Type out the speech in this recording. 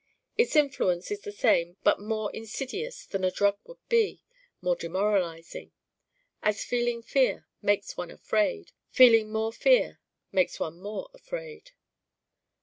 Its influence is the same but more insidious than a drug would be, more demoralizing. As feeling fear makes one afraid, feeling more fear makes one more afraid.